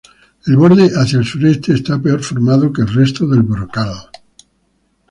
El borde hacia el sureste está peor formado que en el resto del brocal.